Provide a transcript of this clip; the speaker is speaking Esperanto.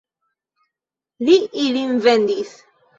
Li ilin vendis.